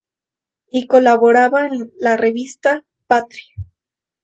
Y colaboraba en la revista ""Patria"".